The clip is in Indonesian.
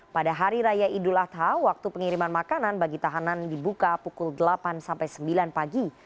pada hari raya idul adha waktu pengiriman makanan bagi tahanan dibuka pukul delapan sampai sembilan pagi